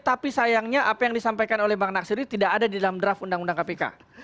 tapi sayangnya apa yang disampaikan oleh bang nasir ini tidak ada di dalam draft undang undang kpk